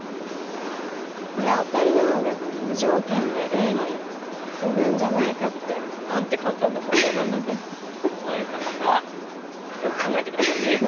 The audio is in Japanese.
これアタリなので無条件でＡにツグんじゃないかって。なんて簡単な問題なんだと思われた方よく考えて下さいね。